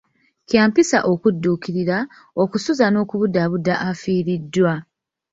Kya mpisa okudduukirira, okusuza n'okubudaabuda afiiriddwa.